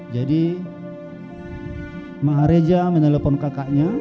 jadi maharija menelpon kakaknya